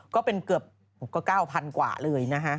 ก็เป็นเกือบ๙๐๐กว่าเลยนะฮะ